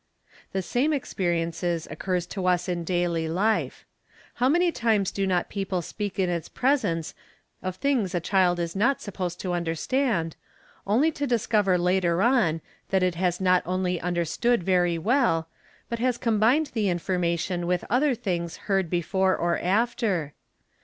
The same experience occurs to us in daily life. How many times do not people speak in its presence of things a child is not supposed understand, only to discover later on that it has not only understood very ~ well, but has combined the information with other things heard before or i after.